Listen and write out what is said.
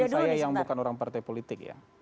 kalau harapan saya yang bukan orang partai politik ya